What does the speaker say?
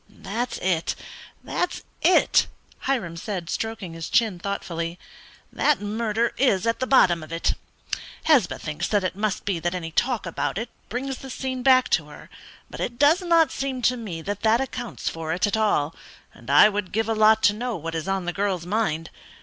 "That's it; that's it," Hiram said, stroking his chin, thoughtfully, "that murder is at the bottom of it. Hesba thinks it must be that any talk about it brings the scene back to her; but it does not seem to me that that accounts for it at all, and I would give a lot to know what is on the girl's mind.